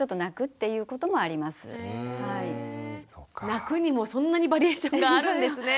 泣くにもそんなにバリエーションがあるんですね。